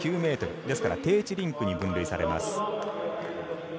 ですから低地リンクに分類されます。